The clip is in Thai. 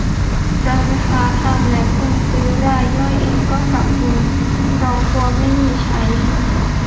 ร้านค้าทำ และคนซื้อรายย่อยเองก็ตุนเพราะกลัวไม่มีใช้